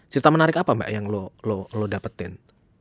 cerita menarik apa mbak yang lo lo dapetin